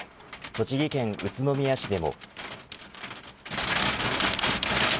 栃木県宇都宮市でも。